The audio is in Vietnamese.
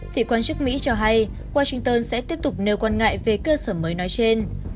vị quan chức mỹ cho hay washington sẽ tiếp tục nêu quan ngại về cơ sở mới nói trên